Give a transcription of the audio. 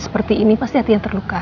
seperti ini pasti ada yang terluka